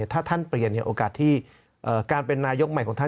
ถ้าท่านเปลี่ยนโอกาสที่การเป็นนายกใหม่ของท่าน